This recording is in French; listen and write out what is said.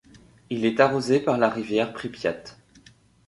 Il est arrosé par la rivière Pripiat.